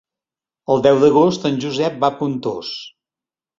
El deu d'agost en Josep va a Pontós.